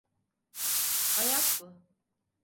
Hayat bu.